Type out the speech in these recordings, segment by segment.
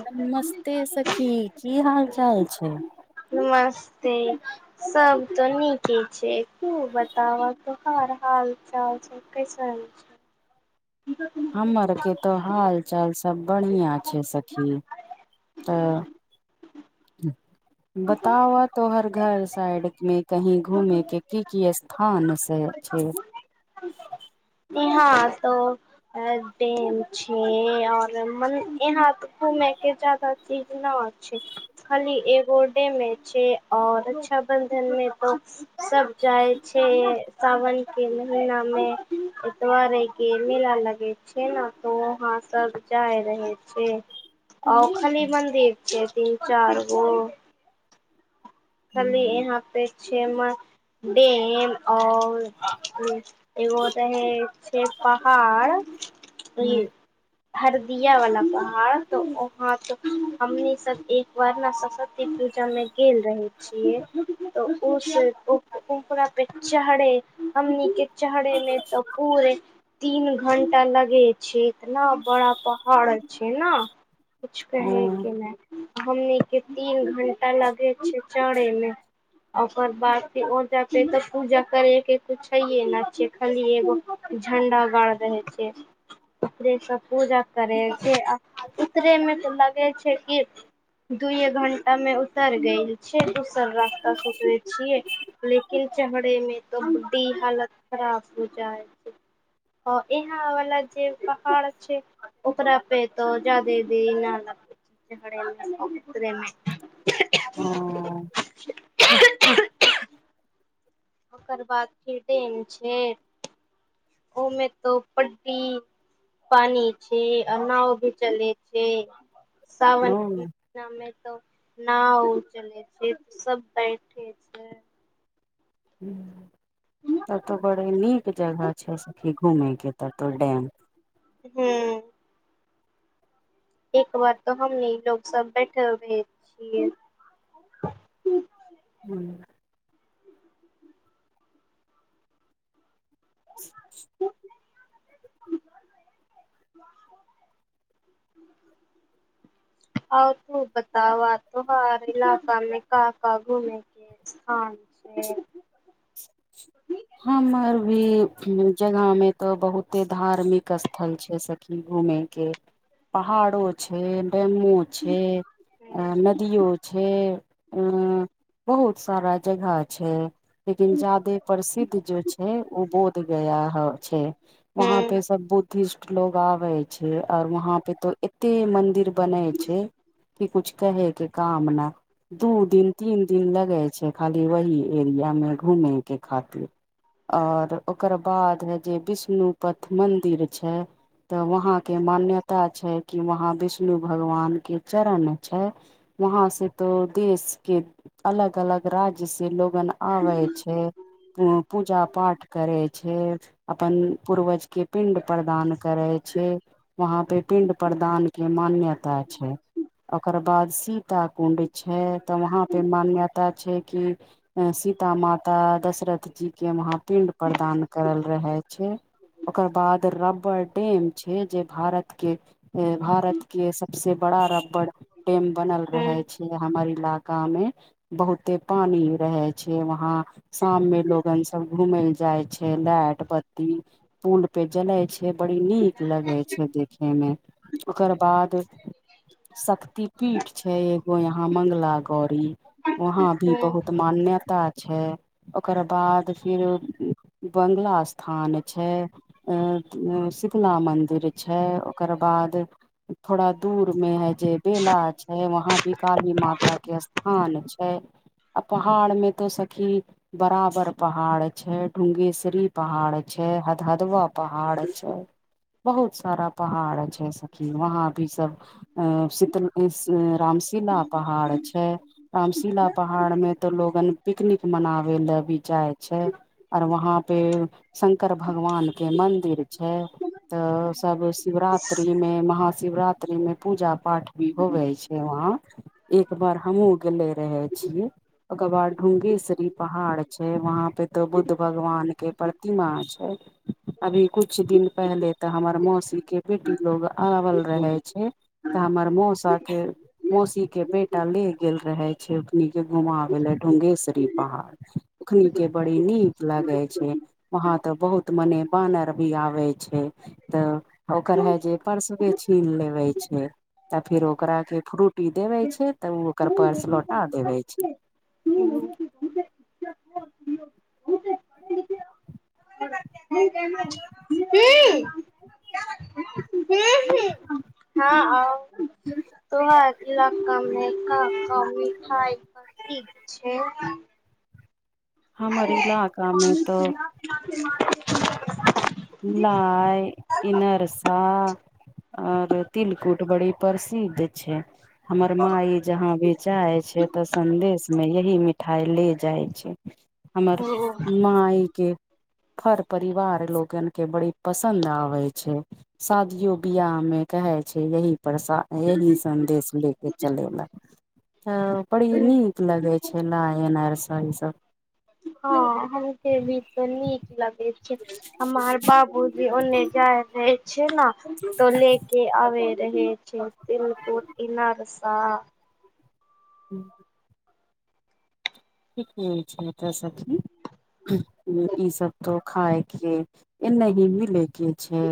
नमस्ते सखी की हाल चाल छै नमस्ते सब त नीके छै तु बताबत हर हाल चाल छै कैसा हँ हमर के तो हाल चाल सब बढ़िया छै सखी त बताउ तो हर घर साइड में कहीं घूमे के की की स हँ नै से छै हँ त अ डैम छै ओर मने यह घूमे के जादा इज ने आ छै खाली एगो डैमे छै और रक्षाबंधन में तो सब जाइ छै सावन के महिना मे दुआरे के मेला लगे छै ने त वहाँ सब जाय रहे छै ओ खाली मन्दिर छै तीन चार गो खाली यहाँ प डेम और एगो है छै पहाड़ हरदिया वला पहाड़ तो वहाँ त हमनी सब एक बार ने सरस्वती पूजा मे खेल रहे त उस उकरा पे चढ़े हम नचे चे मे त पू तीन घंटा लगे छै इतना बड़ा पहाड़ छै ने कुछ ओ कहे के नहि हमने तीन घंटा लगे छै चरे मे ओकर बाद फे त पूजा करे के कुछ न छ खाली एगो झण्डा बढ़ रहै छै उपरेस पूजा करै छै आ उतरेमे तऽ लगै छै कि दूए घंटा मे उतर गेल छै दोसर रास्ता सुते छियै लेकिन चढ़े मे त बी हालत खराब हो जाए छै ओ इह वला जे पहाड़ छै ओकरा पे त जादे भी नहि ल में ह ओकरबाकाद फेर डैम छै ओ में तो पट्टी पाइन छै अनाव भी चलै छै सावन ना मे त नाव उ चले छै सब बैठे छै तब तो बड़ नीक जगह छै सी घूमे के त तो डैम हू एक बेर तऽ हमनी सभ बैसल रही छियै। हूँ [inaudible] आउ, तू बताओ, आओर तू हर इलाकामे काँ काँ घूमे? ह से [inaudible] हमर भी जगहमे तऽ बहुते धार्मिक स्थल छै सभ। कि घूमैके पहाड़ो छै, डेमो छै। आ हूँ नदीओ छै। बहुत सारा जगह छै, लेकिन जादे पास। जे छै ओ बोधगया हऽ छै, वहाँपर हूँ सभ बुद्धिस्ट लोक आबै। आओर वहाँपर तऽ एते मंदिर बनै छै। की, किछु कहैके काम न? दू दिन तीन दिन लगै छै खाली ओहि एरियामे घूमैके खातिर। आ ओकर बाद हे जे विष्णुपथ मंदिर छै। तऽ वहाँके मान्यता छै कि वहाँ विष्णु भगवानके चरण छै। वहाँसँ तऽ देशके अलग अलग राज्यसँ लोक आबै छै। पूजा पाठ करै छै। अपन पूर्वजके पिण्ड प्रदान करै छै वहाँ पे पिण्ड प्रदान। के मान्यता छै। ओकर बाद सीताकुंड छै तऽ वहाँ पे मान्यता छै कि। सीतामाता दशरथ जी [unintelligible] यहाँ पिण्ड प्रदान करल रहै छै। ओकर बाद रबर डेम छै जे भारतके भारतके सभ से बड़ा रबड़ डेम बनल हूँ रहे छै। हमर इलाकामे बहुते पानि रहै छै वहाँ शाममे। लोकसभ घूमै लऽ जाय छै लाट पत्ती। पुल पे जले छै, बड़ी नीक लगै छै देखैमे। ओकर बाद शक्ति। पीठ छै एगो यहाँ मंगला गौरी, वहाँ भी हूँ बहुत तऽ मान्यता छै। ओकर बाद फिर बंगला। स्थान छै, अऽ शीतला मन्दिर छै ओकर बाद। थोड़ा दूरमे जे बेला छै, वहाँ भी काली माताके स्थान छै। आ पहाड़मे तऽ सखी बराबर पहाड़ छै, ढूंगेश्वरी। पहाड़ छै, हद हदव पहाड़ छै। बहुत सारा पहाड़ जैसकि वहाँ भी सभ। अऽ शीतल, रामशिला पहाड़ छै। रामशिला पहाड़मे तऽ लोकसभ पिकनिक मनाबै लऽ भी जाइ छै। आओर वहाँ पे शंकर भगवानके मंदिर छै। तऽ सभ शिवरात्रिमे, महाशिवरा। त्रिमे पूजा पाठ भी होइ छै वहाँ। एक बेर हमहूँ गेले रही छियै, ओकर बाद ढुंगेश्वरी। पहाड़ छै, वहाँ पे तऽ बुद्ध भगवानके प्रतिमा छै। अभी किछु दिन पहिले तऽ हमर मौसीके बेटी लोक आओल रहै छै। तऽ हमर मोसा। मौसीके बेटा लऽ गेल रहै छै ओके घुमबै लऽ ढुंगेश्वरी। पहाड़ ओखनि के बड़ी नीक लगे छै वहां त बहुत मने बानर भी आबे छै तऽ ओकर है जे परसबे छीन लेबे छय तऽ फेर ओकराक के फ्रूटी देबै छै तऽ ओ ओकर पर्स लौटा देबै छै हूँ हूँ हूँ हू ह हँ आ तोह इलामे मिठाइ ठीक छय हमर इलाकामे त लाइ इनरसा ओर तिलकुट बड़ी प्रसिद्ध छय हमर माई जहाँ बेचइ छै तऽ सन्देश में यही मिठाइ ले जाइ छै हमर मइके फर परिवार लोकन के बड़ी पसन्द आऽ छै शादियो बियाह में कहै छै यही परस यही सन्देश ले के चले लए तऽ बड़ी नीक लगे छै लायन आर सब ई सब हँ हमके भी त नीक लगे छय हमर बाबू भी ओने जाइ छै ने त ले के आबे रहै छय तिलकुर इनरसा हूँ ठीक नहि छै एतय सखी ई सब तो खायके नहि भी लैके छै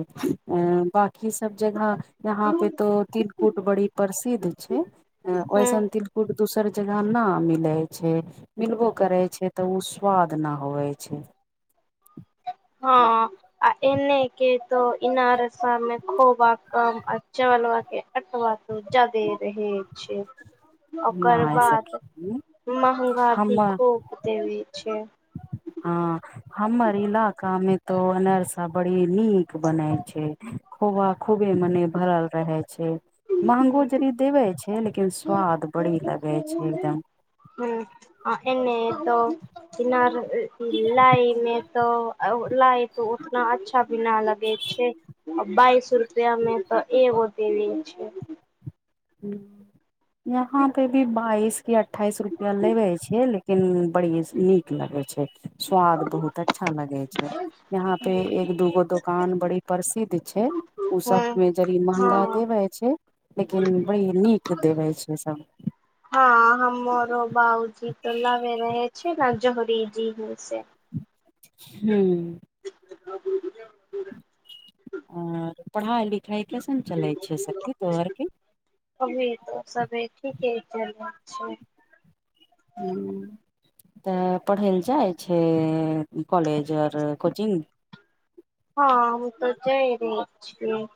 क सब जगह यहााँ पे तो तिलकुट बड़ी प्रसिद्ध छै हँ ऐसन तिलक फ दोसर जगह न मिलै छय मिलबो करे छै त उ स्वाद न होए छै हँ आ एने के त इनरसामे खुब क चल एत ब त जदे रहय छै ओकर नहि बाद सखी महगा भी खूब देबै छ ह हमर इलाका में तो अनरसा बड़ी नीक बनै छै खोब खूबे मने भरल रहै छै महंगो छै जदी देबे छै लेकिन स्वाद बड़ी लगै छ एकदम ह एने त इमर लाइ तो लाए तो उतना अच्छा भी न लगेछे बाइस रु रपा मे तएगो देेल छै यहाँ पे भी बाइस कि अठाइस रुपया लेबे छिय लेकिन बड़ी नीक लगै छ स्वाद बहुत अच्छा लगे छै यहाँ पे एक एक दूगो दुकान बड़ी प्रसिद्ध छै उ सब हँ मे जड़ी महंगा हँ देबे छै नीक देबे छय सब हँ हमर बउजी त लाबे रहे छै ने जहरीजी ह से हूँ [unintelligible] आ पढ़ाइ लिखाइ कैसन चलै छै सब तोहर के अभी तो सबे ठीके चले छै ह त पढ़य लए चाहइ छै कोलेज ओर कोचिंग हँ हम त जाइ रहि छीयो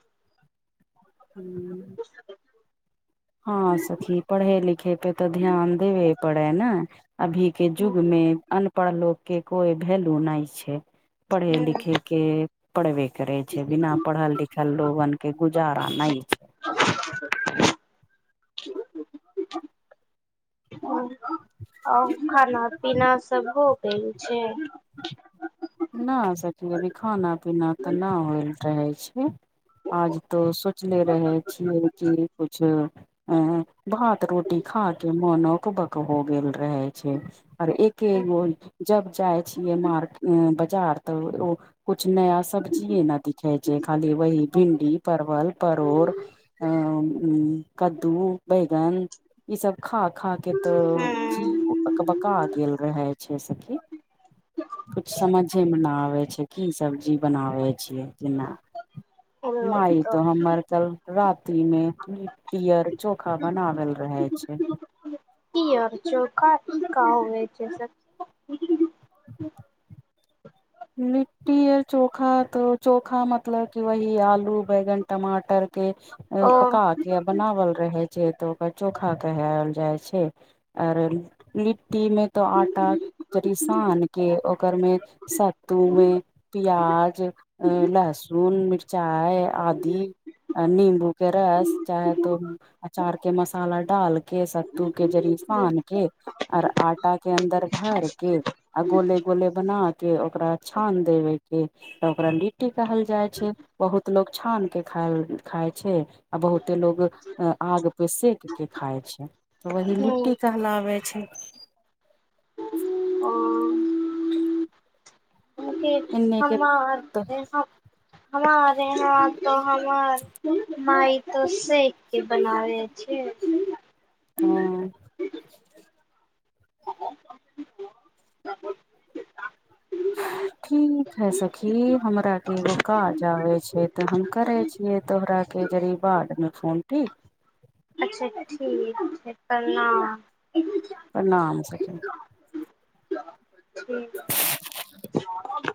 हूँ ह [unintelligible] हँ सखी पढ़े लिखे पे तऽ ध्यान देबे परेह ने अभी के युग मे अनपढ़ लोक के कोइ वैलू नहि छै पढ़े हम्म लिखे के पढ़बे करे छै बिना पढ़ल लिखल लोगन के गुजारा नहि छै अ [unintelligible] आ खाना पीना सब हो गेल छै नहि सकी अभी खाना पीना तऽ नहि होइल रहै छै आज तो सोच ले रहे छियै कि कछ अ भात रोटी खा के मोन अकबक हो गेल रहै छै आर एकेगो जब जाय छीयै मार बाजार तऽ कुछ नया सबब्जीए न दिखे छै खाली वी भिंडी परवल परोड़ आ कद्दू बैगन ई सब खा खा के तऽ जी अक बका हूँ गेल रहे छै सखी किछु समझेमे नहि आबै छै की सब्जी बनाबै छियै केना माइ तो पियर हमर कल राति में इयर चोखा बनावल रहै छै की और चोखा कहै जैस [unintelligible] लिट्टी यर चोखा तो चोखा मतलब कि वहि आलू बैंगन टमाटर के ओ पका के बनावल रहे छै तऽ ओकरा चोखा कहल जाइ छै आरे लिट्टी मे तो आटा शान के ओकर मे स तूमे प्याज अ लहसुन मिरचाइ आदि नीम्बू के रस चाहे तो अचार के मसाला डालके सब तू के जरीफान के और आटा के अन्दर भर के आ गोले गोले बना के ओकरा छान देबे के ओकरा कुट्टी कहल जाइ छै बहुत लोग छान के खाल खाय छै आ बहुते लोग आग पे सेक के खाय छै वही लिट्टी टहलाबै छै ओ [unintelligible] [unintelligible] एन्ने के हमार तऽ हमा हमार यहाँ तऽ हमर [unintelligible] मइ तऽ सेख के बनाव छै हँ ह [unintelligible] ठीक है सखी हमरा के एगो काज आबे छै तऽ हम करे छियै तोहरा के जहि बाडमे फोन टी अच्छा ठीक छै प्रणाम प्रणाम सखिन [inaudible]